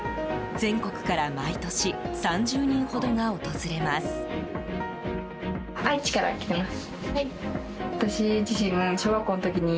全国から毎年３０人ほどが訪れます。